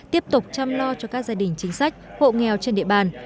tiếp tục chăm lo cho các gia đình chính sách hộ nghèo trên địa bàn